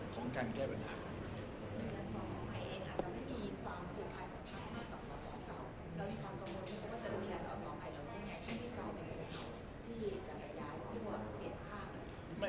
ของการแก้ปัญหา